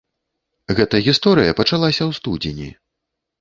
Гэта гісторыя пачалася ў студзені.